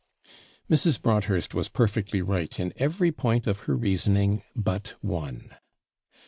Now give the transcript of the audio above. Mrs. Broadhurst was perfectly right in every point of her reasoning but one.